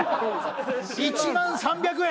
１万３００円。